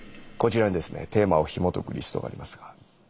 こちらにですねテーマをひもとくリストがありますが。